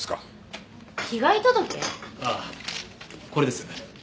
ああこれです。